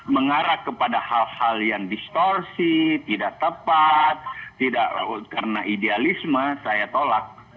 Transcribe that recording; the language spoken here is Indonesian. mengarah kepada hal hal yang distorsi tidak tepat tidak karena idealisme saya tolak